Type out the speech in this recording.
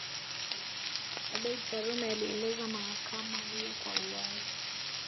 Abeid Karume alieleza mahakama hiyo kwa uwazi